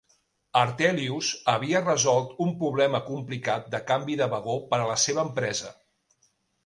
Hartelius havia resolt un problema complicat de canvi de vagó per a la seva empresa.